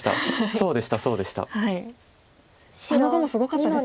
そうです